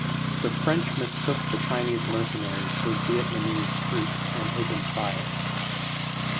The French mistook the Chinese mercenaries for Vietnamese troops and opened fire.